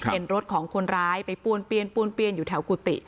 เห็นรถของคนร้ายไปป้วนป้วนเปี้ยนอยู่แถวกุฏิ